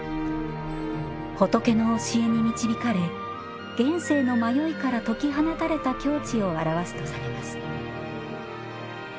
仏の教えに導かれ現世の迷いから解き放たれた境地を表すとされます